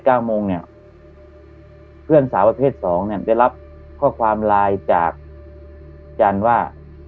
เก้าโมงเนี่ยเพื่อนสาวประเภทสองเนี่ยได้รับข้อความไลน์จากจันทร์ว่า